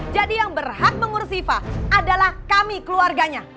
jadi yang berhak mengurus siva adalah kami keluarganya